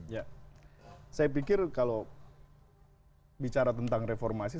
ya saya pikir kalau bicara tentang reformasi